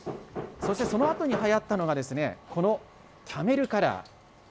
そしてそのあとにはやったのが、このキャメルカラー。